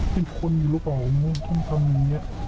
เป็นคนอยู่หรือเปล่าทำแบบนี้